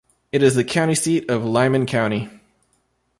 It is the county seat of Lyman County.